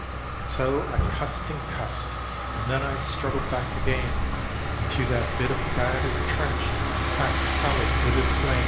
And so I cussed and cussed, and then I struggled back again, Into that bit of battered trench, packed solid with its slain.